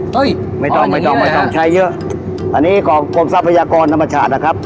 เฮ้ยไม่ต้องไม่ต้องไม่ต้องใช้เยอะอันนี้กรมทรัพยากรนามชาตินะครับ